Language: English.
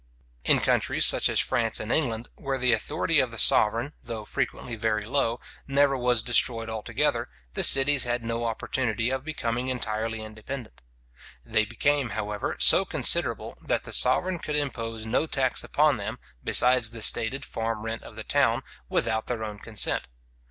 In countries such as France and England, where the authority of the sovereign, though frequently very low, never was destroyed altogether, the cities had no opportunity of becoming entirely independent. They became, however, so considerable, that the sovereign could impose no tax upon them, besides the stated farm rent of the town, without their own consent.